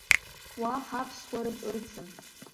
Уа ҳаԥсуарагь ырӡым.